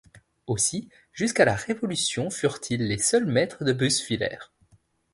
Aussi jusqu'à la Révolution furent-ils les seuls maîtres de Buswiller.